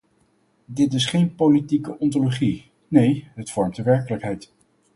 Dit is geen politieke ontologie, nee het vormt de werkelijkheid.